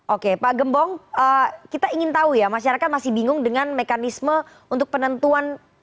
oke pak gembong kita ingin tahu ya masyarakat masih bingung dengan mekanisme untuk penentuan